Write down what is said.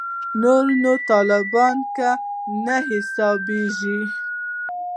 نور نو طالبانو کې نه حسابېږي.